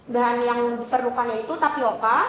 bahan yang diperlukannya itu tapioca